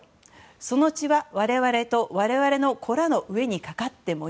その血は我々と我々の子らの上にかかってもいい。